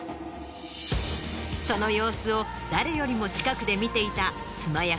その様子を誰よりも近くで見ていた。